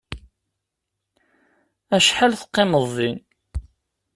Acḥal teqqimeḍ din?